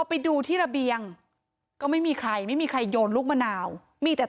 ไปดูที่ระเบียงก็ไม่มีใครไม่มีใครโยนลูกมะนาวมีแต่